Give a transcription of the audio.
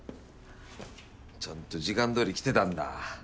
ちゃんと時間どおり来てたんだ。